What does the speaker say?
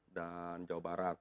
atau di jawa barat